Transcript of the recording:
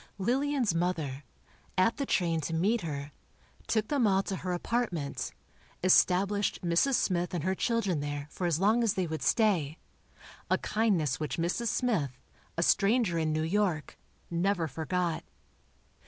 Lillian's mother, at the train to meet her, took them all to her apartment, established Mrs. Smith and her children there for as long as they would stay—a kindness which Mrs. Smith, a stranger in New York, never forgot.